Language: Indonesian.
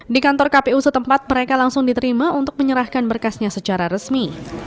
di kantor kpu setempat mereka langsung diterima untuk menyerahkan berkasnya secara resmi